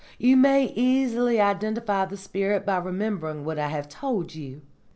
You may easily identify the spirit by remembering what I have told you.